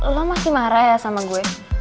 lo masih marah ya sama gue